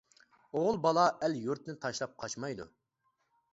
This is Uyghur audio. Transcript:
ئوغۇل بالا ئەل-يۇرتنى تاشلاپ قاچمايدۇ.